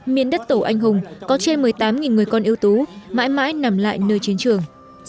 miền đất tổ anh hùng có trên một mươi tám người con ưu tú mãi mãi nằm lại nơi chiến trường